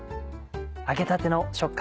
揚げたての食感